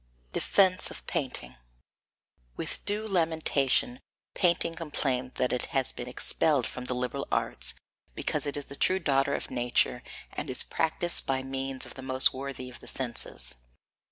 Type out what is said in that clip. [Sidenote: Defence of Painting] 4. With due lamentation Painting complains that it has been expelled from the liberal arts, because it is the true daughter of nature and is practised by means of the most worthy of the senses.